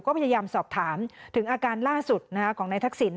ก็พยายามสอบถามถึงอาการล่าสุดของนายทักษิณ